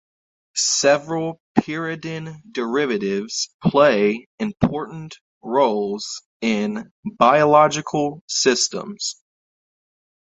Several pyridine derivatives play important roles in biological systems.